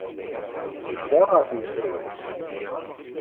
Tedda ɣer tnefrut.